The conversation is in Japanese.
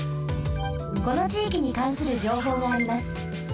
このちいきにかんするじょうほうがあります。